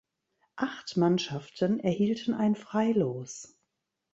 Acht Mannschaften erhielten ein Freilos.